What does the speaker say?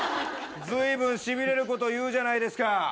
ずいぶんしびれること言うじゃないですか。